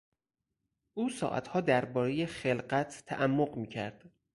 او ساعتها دربارهی خلقت تعمق میکرد.